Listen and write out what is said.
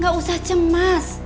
gak usah cemas